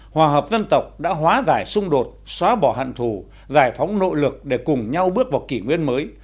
hòa hợp dân tộc đã hóa giải xung đột xóa bỏ hận thù giải phóng nội lực để cùng nhau bước vào kỷ nguyên mới